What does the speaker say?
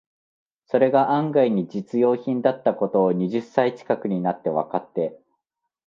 それが案外に実用品だった事を、二十歳ちかくになってわかって、